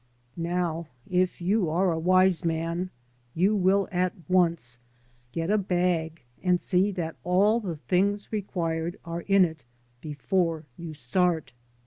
Now, if you are a wise man, you will at once get a bag and see that all the things required are in it before you start.